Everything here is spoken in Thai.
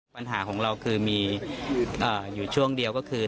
ปัญหาของเราคือมีอยู่ช่วงเดียวก็คือ